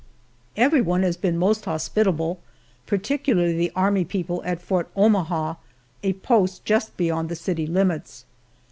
Everyone has been most hospitable particularly the army people at Fort Omaha a post just beyond the city limits.